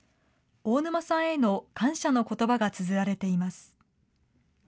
大沼さんへの感謝のことばがつづられています。